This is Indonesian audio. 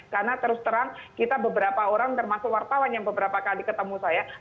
karena terus terang kita beberapa orang termasuk wartawan yang beberapa kali ketemu saya